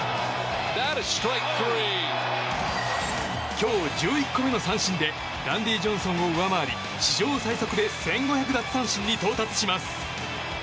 今日１１個目の三振でランディ・ジョンソンを上回り史上最速で１５００奪三振に到達します。